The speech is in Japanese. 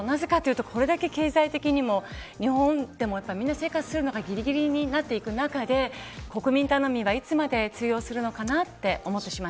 なぜかというとこれだけ経済的にも日本って、みんな生活するのがぎりぎりなっていく中で国民頼みがいつまで通用するかなって